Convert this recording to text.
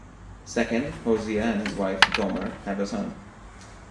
Second, Hosea and his wife, Gomer, have a son.